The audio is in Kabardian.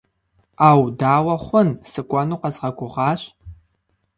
Ӏэу, дауэ хъун, сыкӏуэну къэзгъэгугъащ.